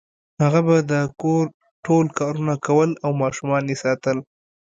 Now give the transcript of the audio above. هغه به د کور ټول کارونه کول او ماشومان یې ساتل